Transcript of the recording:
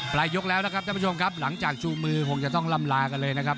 ยกแล้วนะครับท่านผู้ชมครับหลังจากชูมือคงจะต้องลำลากันเลยนะครับ